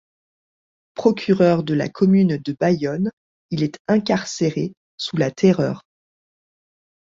Procureur de la commune de Bayonne, il est incarcéré sous la Terreur.